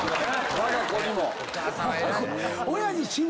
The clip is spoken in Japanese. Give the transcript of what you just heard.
わが子にも。